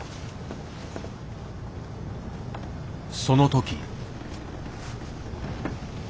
その時。